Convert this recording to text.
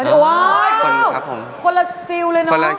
โอ้โหคนละฟิลล์เลยนะ